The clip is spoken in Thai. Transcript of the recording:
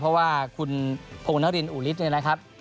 เพราะว่าคุณพงนรินอุฤทธิเนี่ยนะครับ